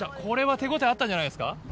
これは手ごたえあったんじゃないですか？